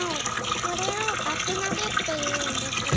それを「爆投げ」っていうんですけど。